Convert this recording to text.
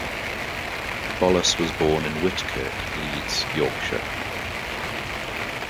Bolus was born in Whitkirk, Leeds, Yorkshire.